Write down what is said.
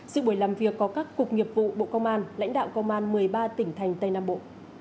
sự buổi làm việc có các cục nghiệp vụ bộ công an lãnh đạo công an một mươi ba tỉnh thành tây nam bộ